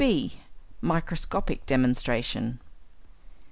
(b) =Microscopic Demonstration.